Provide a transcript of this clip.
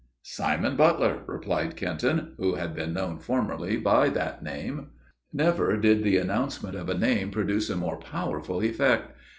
"Simon Butler!" replied Kenton, who had been known formerly by that name. Never did the announcement of a name produce a more powerful effect.